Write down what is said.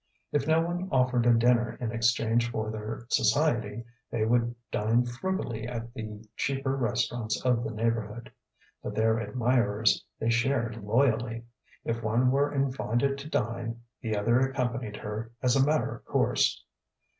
If no one offered a dinner in exchange for their society, they would dine frugally at the cheaper restaurants of the neighbourhood. But their admirers they shared loyally: if one were invited to dine, the other accompanied her as a matter of course.